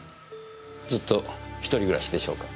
ずっと一人暮らしでしょうか？